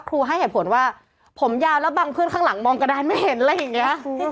ให้เหตุผลว่าผมยาวแล้วบางเพื่อนข้างหลังมองกระดานไม่เห็นอะไรอย่างนี้